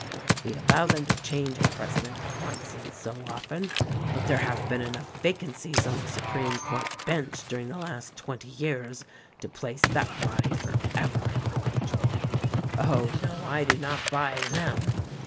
We allow them to change a president once in so often ; but there have been enough vacancies on the Supreme Court bench during the last twenty years to place that body forever in my control. Oh, no! I do not buy tJicm.